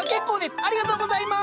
ありがとうございます！